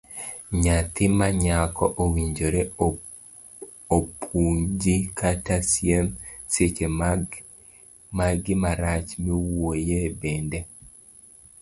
Nyathi manyako owinjore opunji kata siem seche magi marach, mawuoyi bende.